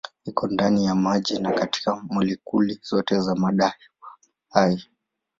Iko ndani ya maji na katika molekuli zote za mada hai.